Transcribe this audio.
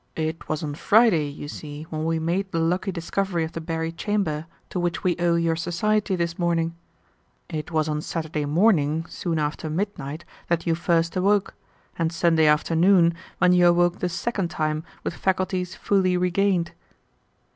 "It was on Friday, you see, when we made the lucky discovery of the buried chamber to which we owe your society this morning. It was on Saturday morning, soon after midnight, that you first awoke, and Sunday afternoon when you awoke the second time with faculties fully regained."